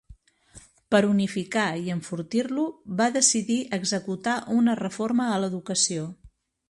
Per unificar i enfortir-lo, va decidir executar una reforma a l'educació.